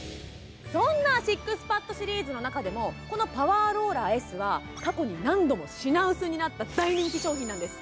そんなＳＩＸＰＡＤシリーズの中でも、このパワーローラーＳは過去に何度も品薄になった大人気商品なんです。